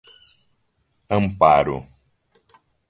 Amparo